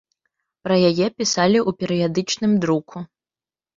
Пра яе пісалі ў перыядычным друку.